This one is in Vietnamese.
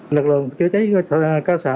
lực lượng chữa cháy cơ sở